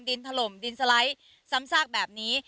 ถล่มดินสไลด์ซ้ำซากแบบนี้